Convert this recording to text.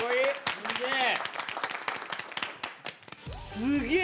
すげえ！